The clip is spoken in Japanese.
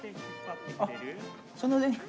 あっそのね。